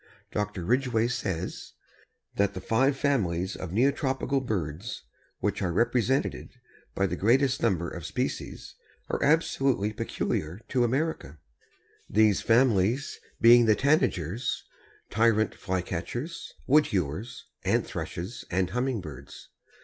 Dr. Ridgway says, "that the five families of Neotropical birds, which are represented by the greatest number of species, are absolutely peculiar to America, these families being the Tanagers, Tyrant Flycatchers, Wood hewers, Ant Thrushes and Humming birds.